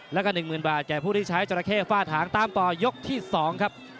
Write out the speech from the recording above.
แล้วก็๑๐๐๐บาทแก่ผู้ที่ใช้จราเข้ฝ้าถางตามต่อยกที่๒ครับ